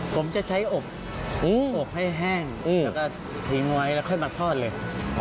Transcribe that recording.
ผมจะใช้อบให้แห้งแล้วก็ทิ้งไว้แล้วค่อยมาทอดเลย